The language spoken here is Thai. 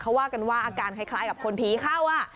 เขาว่ากันว่าอาการคล้ายกับคนผีเข้า